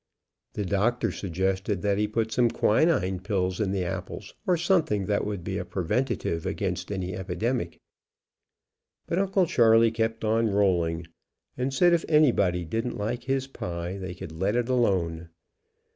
The Doctor suggested that he put some quinine pills in the apples or something that would be a pre ventive against any epidemic, but Uncle Charley kept on rolling, and said if anybody didn't like his pie they could let it alone.